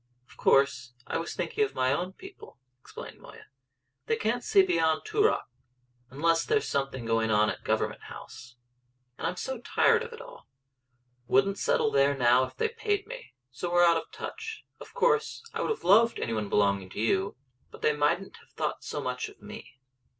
"Of course I was thinking of my own people," explained Moya. "They can't see beyond Toorak unless there's something going on at Government House. And I'm so tired of it all wouldn't settle there now if they paid me. So we're out of touch. Of course I would have loved any one belonging to you; but they mightn't have thought so much of me."